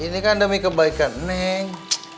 ini kan demi kebaikan ning